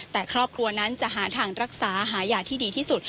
แต่ครอบครัวนั้นจะหาทางรักษาหายาที่ดีที่สุด